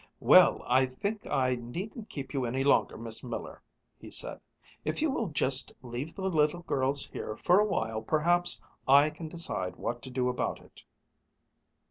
"Well, I think I needn't keep you any longer, Miss Miller," he said. "If you will just leave the little girls here for a while perhaps I can decide what to do about it."